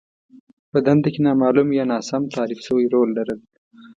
په دنده کې نامالوم يا ناسم تعريف شوی رول لرل.